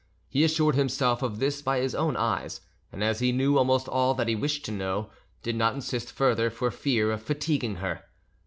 He assured himself of this by his own eyes, and as he knew almost all that he wished to know, did not insist further, for fear of fatiguing her.